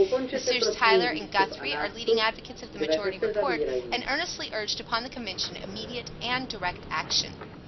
Messrs. Tyler and Guthrie are leading advocates of the majority report, and earnestly urged upon the Convention immediate and direct action.